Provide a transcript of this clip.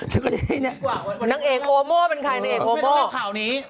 ฉันก็จะได้เนี่ยนางเอกโมโม่เป็นใครนางเอกไม่ต้องออกข่าวนี้